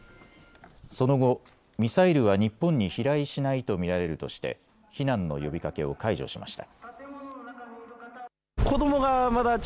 その後、ミサイルは日本に飛来しないと見られるとして避難の呼びかけを解除しました。